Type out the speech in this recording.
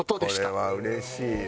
これはうれしいね。